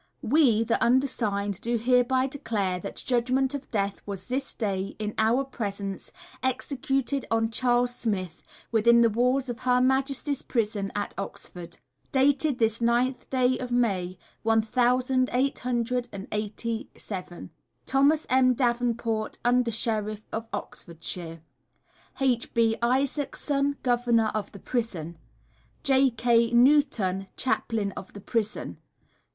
We, the undersigned, do hereby declare that Judgement of Death was this day, in our presence, executed on Charles Smith, within the walls of Her Majesty's Prison at Oxford. Dated this Ninth day of May, One thousand eight hundred and eighty seven. THOMAS M. DAVENPORT, Under Sheriff of Oxfordshire. H. B. ISAACSON, Governor of the Prison. J. K. NEWTON, Chaplain of the Prison.